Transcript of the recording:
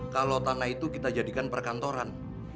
kalau tanah itu kita jadikan perkantoran